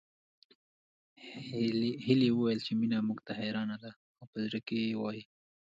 هيلې وويل چې مينه موږ ته حيرانه ده او په زړه کې وايي